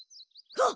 あっ！